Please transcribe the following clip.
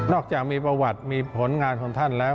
จากมีประวัติมีผลงานของท่านแล้ว